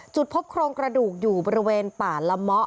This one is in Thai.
จุดพบโครงกระดูกอยู่บริเวณป่าละเมาะ